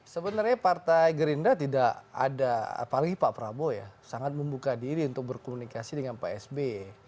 sebenarnya partai gerindra tidak ada apalagi pak prabowo ya sangat membuka diri untuk berkomunikasi dengan pak sb